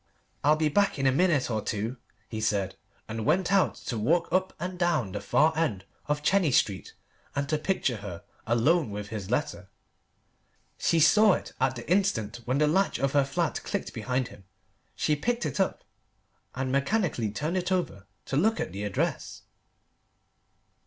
"I'll be back in a minute or two," he said, and went out to walk up and down the far end of Chenies Street and to picture her alone with his letter. She saw it at the instant when the latch of her flat clicked behind him. She picked it up, and mechanically turned it over to look at the address.